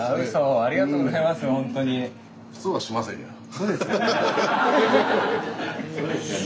そうですよね